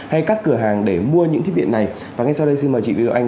hay các cửa hàng để mua những thiết bị này và ngay sau đây xin mời chị viêu anh